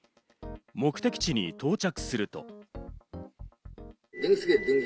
目的地に到着すると。